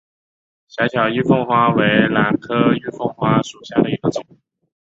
小巧玉凤花为兰科玉凤花属下的一个种。